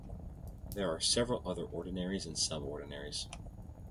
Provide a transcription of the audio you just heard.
There are several other ordinaries and sub-ordinaries.